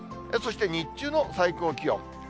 そして日中の最高気温。